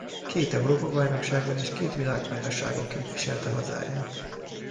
Két Európa-bajnokságon és két világbajnokságon képviselte hazáját.